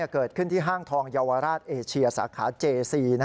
เกิดขึ้นที่ห้างทองเยาวราชเอเชียสาขาเจซี